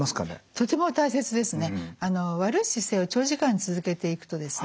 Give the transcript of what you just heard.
とても大切ですね。